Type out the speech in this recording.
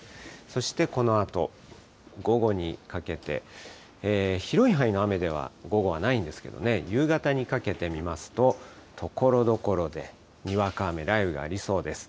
そしてこのあと、午後にかけて、広い範囲の雨では、午後はないんですけどね、夕方にかけて見ますと、ところどころでにわか雨、雷雨がありそうです。